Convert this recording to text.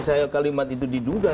saya kalimat itu diduga